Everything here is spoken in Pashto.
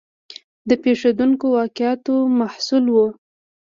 د پېښېدونکو واقعاتو محصول و.